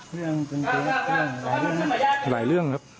เรื่องเป็นเรื่องเรื่องหลายเรื่องครับหลายเรื่องครับ